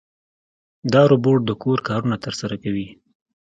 دا روبوټ د کور کارونه ترسره کوي.